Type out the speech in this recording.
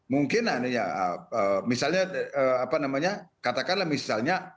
mungkin adanya misalnya apa namanya katakanlah misalnya